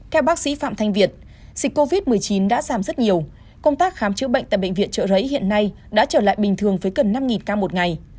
theo bác sĩ phạm thanh việt dịch covid một mươi chín đã giảm rất nhiều công tác khám chữa bệnh tại bệnh viện trợ rẫy hiện nay đã trở lại bình thường với gần năm ca một ngày